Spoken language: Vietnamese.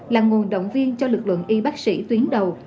là nguồn động viên cho lực lượng y bác sĩ tuyến đầu